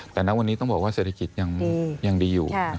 แต่ณวันนี้ต้องบอกว่าเศรษฐกิจยังดีอยู่